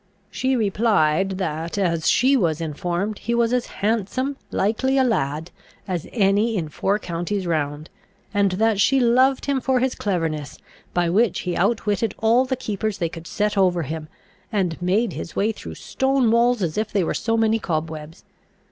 She replied that, as she was informed, he was as handsome, likely a lad, as any in four counties round; and that she loved him for his cleverness, by which he outwitted all the keepers they could set over him, and made his way through stone walls as if they were so many cobwebs.